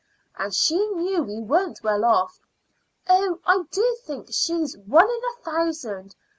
And she knew we weren't well off. Oh, I do think she's one in a thousand!